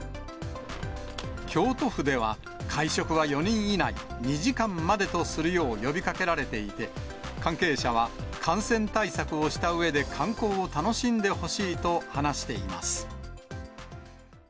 京都府では、会食は４人以内、２時間までとするよう呼びかけられていて、関係者は感染対策をしたうえで、観光を楽しんでほしいと話しています。